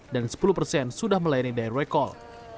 dan sepuluh persen sudah melayani direct call